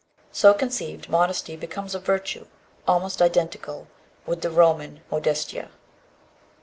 So conceived, modesty becomes a virtue, almost identical with the Roman modestia.